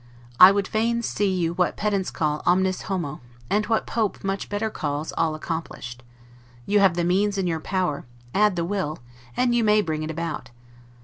I would fain see you what pedants call 'omnis homo', and what Pope much better calls ALL ACCOMPLISHED: you have the means in your power; add the will; and you may bring it about.